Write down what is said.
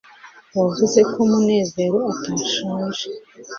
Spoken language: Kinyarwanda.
wavuze ko munezero atashonje